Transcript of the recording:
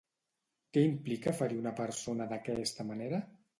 Què implica ferir una persona d'aquesta manera?